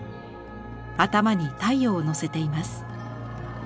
頭に太陽をのせています。